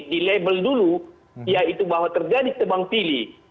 dilabel dulu yaitu bahwa terjadi tebang pilih